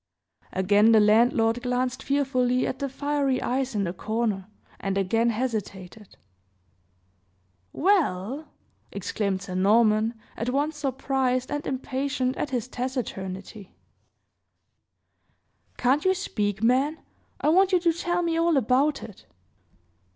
Again the landlord glanced fearfully at the fiery eyes in the corner, and again hesitated. "Well!" exclaimed Sir Norman, at once surprised and impatient at his taciturnity, "Can't you speak man? I want you to tell me all about it."